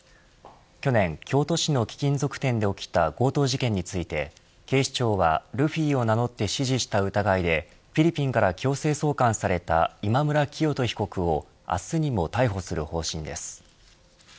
去年、京都市の貴金属店で起きた強盗事件について警視庁はルフィを名乗って指示した疑いでフィリピンから強制送還された今村磨人被告を明日にも逮捕する方針です